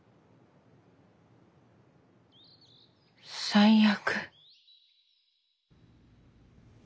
最悪。